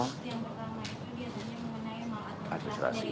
yang pertama itu biasanya mengenai administrasi